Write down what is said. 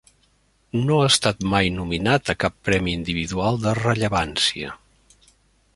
No ha estat mai nominat a cap premi individual de rellevància.